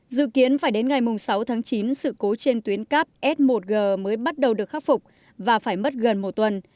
dự kiến phải đến ngày sáu tháng chín sự cố trên tuyến cắp s một g mới bắt đầu được khắc phục và phải mất gần một tuần